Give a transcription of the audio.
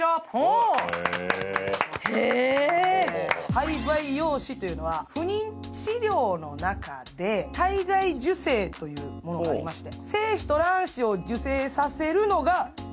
胚培養士というのは、不妊治療の中で体外受精というものがありまして。